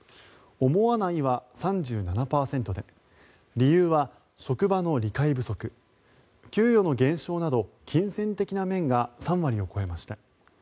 思わないは３７％で理由は職場の理解不足給与の減少など金銭的な面が３割を超えました。